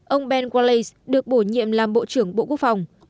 ông ben wallace được bổ nhiệm làm bộ trưởng bộ quốc phòng